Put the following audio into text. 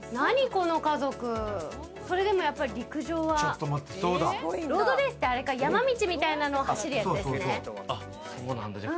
この家族、それでも陸上はすごいんだロードレースって山道みたいのを走るやつですね。